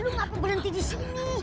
lu ngapain berhenti di sini